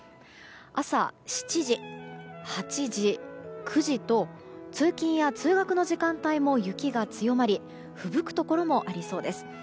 朝７時、８時、９時と通勤や通学の時間帯も雪が強まりふぶくところもありそうです。